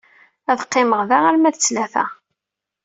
Ad qqimeɣ da arma d ttlata.